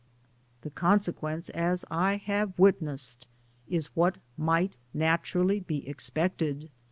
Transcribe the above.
The consc* quence (as I have witnessed) is what might na« turally be expected.